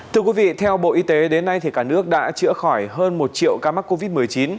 thưa quý vị theo bộ y tế đến nay cả nước đã chữa khỏi hơn một triệu ca mắc covid một mươi chín